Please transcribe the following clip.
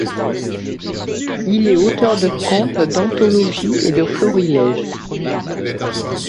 Il est auteur de contes, d'anthologies et de florilèges.